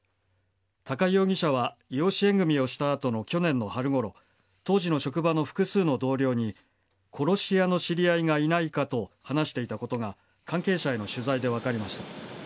高井容疑者は養子縁組をした後の去年の春ごろ当時の職場の複数の同僚に殺し屋の知り合いがいないかと話していたことが関係者への取材で分かりました。